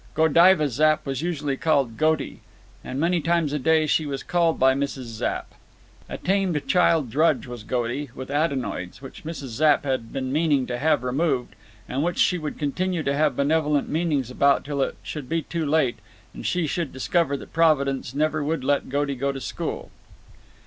Godiva Zapp was usually called "Goaty," and many times a day was she called by Mrs. Zapp. A tamed child drudge was Goaty, with adenoids, which Mrs. Zapp had been meanin' to have removed, and which she would continue to have benevolent meanin's about till it should be too late, and she should discover that Providence never would let Goaty go to school.